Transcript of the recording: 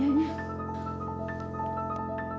burung mokad visan gue